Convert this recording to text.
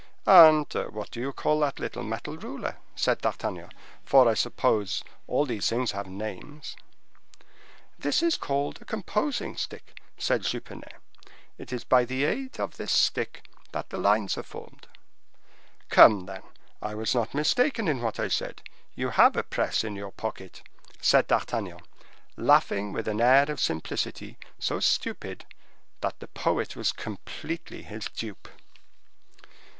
"And what do you call that little metal ruler?" said D'Artagnan, "for, I suppose, all these things have names." "This is called a composing stick," said Jupenet; "it is by the aid of this stick that the lines are formed." "Come, then, I was not mistaken in what I said; you have a press in your pocket," said D'Artagnan, laughing with an air of simplicity so stupid, that the poet was completely his dupe.